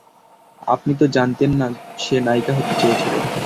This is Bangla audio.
আপনি তো জানতেন না, সে নায়িকা হতে চেয়েছিলো।